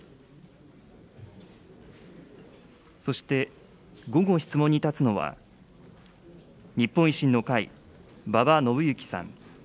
そして午後、質問に立つのは、日本維新の会、馬場伸幸さん。